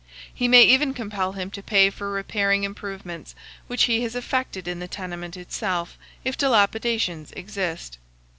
He may even compel him to pay for repairing improvements which he has effected in the tenement itself, if dilapidations exist.